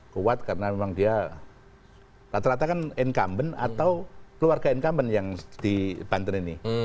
kuat karena memang dia rata rata kan incumbent atau keluarga incumbent yang di banten ini